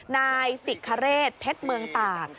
นายสิกคเรศเพชรเมืองตาก